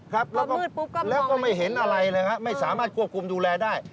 ครับแล้วก็ไม่เห็นอะไรเลยครับไม่สามารถควบคุมดูแลได้